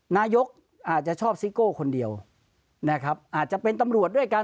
นายกอาจจะชอบซิโก้คนเดียวนะครับอาจจะเป็นตำรวจด้วยกัน